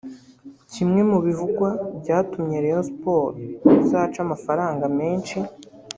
Kimwe mu bivugwa byatumye Rayon Sports izaca amafaranga menshi